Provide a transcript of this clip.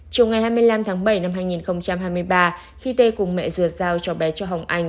chiều ngày hai mươi năm tháng bảy năm hai nghìn hai mươi ba khi tê cùng mẹ ruột giao cho bé cho hồng anh